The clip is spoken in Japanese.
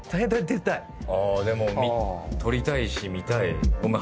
でも撮りたいし見たい。